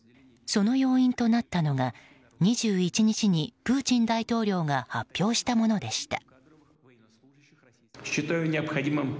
その要因となったのが２１日にプーチン大統領が発表したものでした。